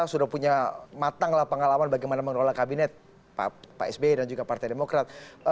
sudah punya matanglah pengalaman bagaimana mengelola kabinet pak sby dan juga partai demokrat